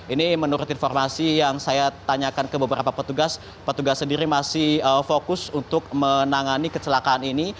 ini menurut informasi yang saya tanyakan ke beberapa petugas petugas sendiri masih fokus untuk menangani kecelakaan ini